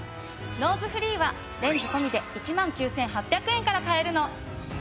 ノーズフリーはレンズ込みで１万９８００円から買えるの。